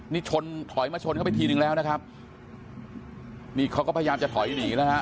นี่ชนถอยมาชนเข้าไปทีนึงแล้วนะครับนี่เขาก็พยายามจะถอยหนีแล้วฮะ